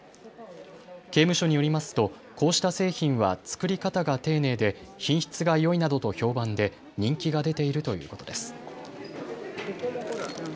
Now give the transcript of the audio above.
刑務所によりますとこうした製品は作り方が丁寧で品質がよいなどと評判で人気が出ているということです。